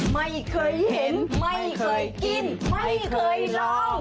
ไม่เคยเห็น